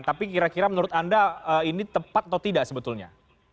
tapi kira kira menurut anda ini tepat atau tidak sebetulnya